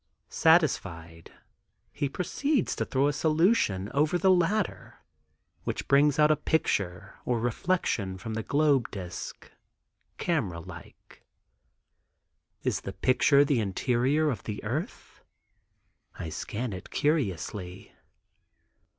Satisfied, he proceeds to throw a solution over the latter, which brings out a picture or reflection from the globe disc, camera like. Is the picture the interior of the earth? I scan it curiously.